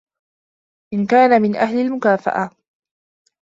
إنْ كَانَ مِنْ أَهْلِ الْمُكَافَأَةِ